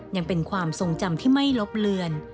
ยังเป็นความทรงจำที่ไม่ลบเลือน